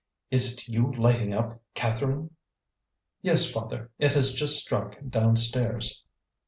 Is it you lighting up, Catherine?" "Yes, father; it has just struck downstairs."